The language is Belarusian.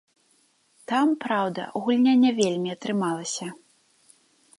Там, праўда, гульня не вельмі атрымалася.